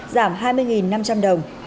giảm hai mươi năm trăm linh đồng